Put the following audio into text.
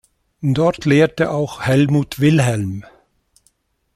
Dort lehrte auch Hellmut Wilhelm.